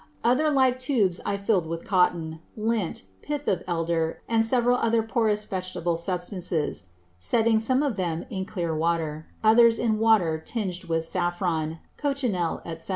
Other like Tubes I fill'd with Cotton, Lint, Pith of Elder, and several other porous Vegetable Substances; setting some of them in clear Water; others in Water tinged with Saffron, Cochinele, _&c.